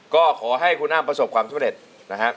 ก็ขอให้คุณอ้ำประสบความสุดเด็จนะฮะ